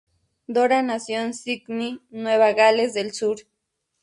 Doran nació en Sídney, Nueva Gales del Sur.